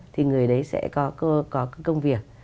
thì người đấy sẽ có cái công việc